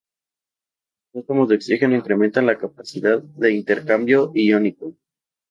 Los átomos de oxígeno incrementan la capacidad de intercambio iónico.